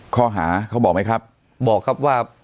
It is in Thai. ครอหาเขาบอกไหมครับ